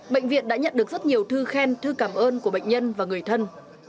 bệnh viện đã nhận được rất nhiều thư khen thư cảm ơn của bệnh nhân và người thân